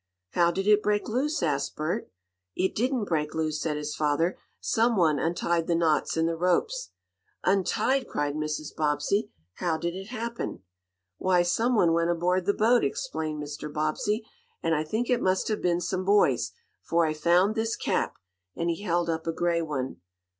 "How did it break loose?" asked Bert. "It didn't break loose," said his father. "Some one untied the knots in the ropes." "Untied!" cried Mrs. Bobbsey. "How did it happen?" "Why, some one went aboard the boat," explained Mr. Bobbsey, "and I think it must have been some boys, for I found this cap," and he held up a gray one.